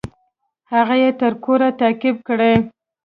هغه يې تر کوره تعقيب کړى.